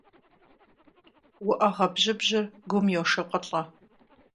УӀэгъэ бжьыбжьыр гум йошыкъылӀэ.